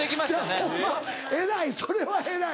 ホンマ偉いそれは偉い。